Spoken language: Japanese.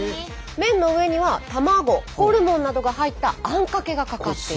麺の上には卵ホルモンなどが入ったあんかけがかかっているんです。